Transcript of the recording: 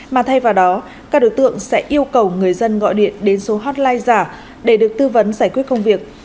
mà thay vào đó các đối tượng sẽ yêu cầu người dân gọi điện đến số hotline giả để được tư vấn giải quyết công việc